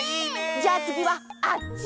じゃあつぎはあっち！